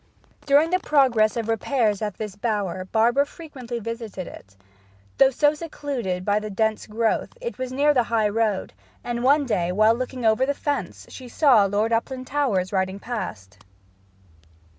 During the progress of repairs at this bower Barbara frequently visited it. Though so secluded by the dense growth, it was near the high road, and one day while looking over the fence she saw Lord Uplandtowers riding past.